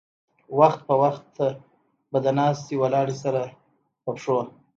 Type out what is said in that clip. وخت پۀ وخت به د ناستې ولاړې سره پۀ پښو